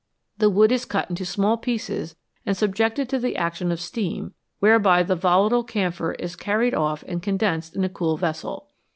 The wood is cut into small pieces and subjected to the action of steam, whereby the volatile camphor is carried off and condensed in a cool vessel.